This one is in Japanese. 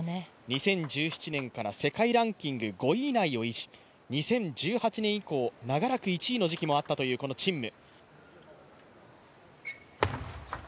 ２０１７年から世界ランキング５位以内を維持し２０１８年以降、長らく１位の時期もあったというこの陳夢。